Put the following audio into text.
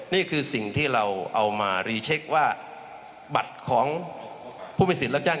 นี่คือสิ่งที่เราเอามารีเช็คว่าบัตรของผู้มีสิทธิ์รับจ้าง